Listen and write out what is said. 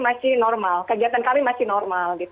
masih normal kegiatan kami masih normal